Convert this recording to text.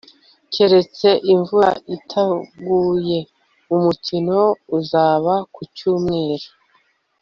keretse imvura itaguye, umukino uzaba ku cyumweru